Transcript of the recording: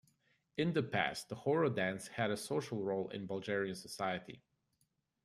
In the past, the horo dance had a social role in Bulgarian society.